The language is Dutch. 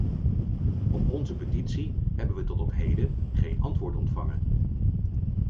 Op onze petitie hebben we tot op heden geen antwoord ontvangen.